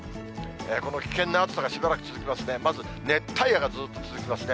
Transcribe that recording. この危険な暑さがしばらく続きますね、まず熱帯夜がずっと続きますね。